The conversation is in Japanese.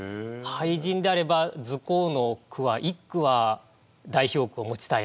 俳人であれば「ズコー」の句は一句は代表句を持ちたいなと。